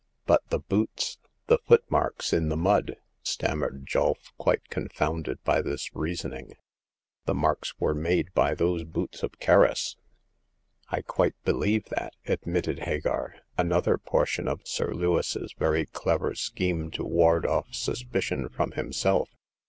" But the boots — the footmarks in the mud?" stammered Julf, quite confounded by this reason ing. " The marks were made by the boots of Kerris." *' I quite believe that," admitted Hagar ;" another portion of Sir Lewis's very clever scheme to ward off suspicion from himself.